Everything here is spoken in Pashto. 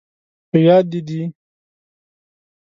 په یاد، دې دي؟